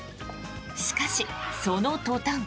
しかし、その途端。